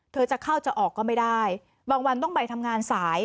จะเข้าจะออกก็ไม่ได้บางวันต้องไปทำงานสาย